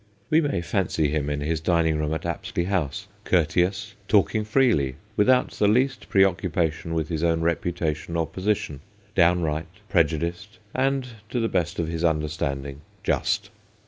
We may fancy him in his dining room at Apsley House, courteous, talking freely, without the least preoccupation with his own reputation or position, downright, prejudiced, and, to the best of his under standing, just.